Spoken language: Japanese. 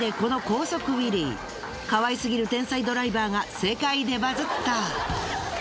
かわいすぎる天才ドライバーが世界でバズった。